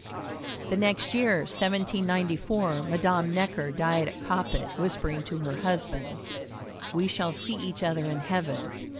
The next year 1794, Madame Necker died at Coppet, whispering to her husband, "We shall see each other in Heaven."